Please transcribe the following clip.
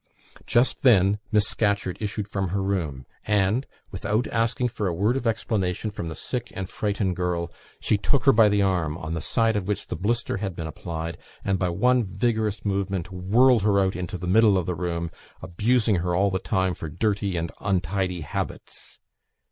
Just then Miss Scatcherd issued from her room, and, without asking for a word of explanation from the sick and frightened girl, she took her by the arm, on the side to which the blister had been applied, and by one vigorous movement whirled her out into the middle of the floor, abusing her all the time for dirty and untidy habits.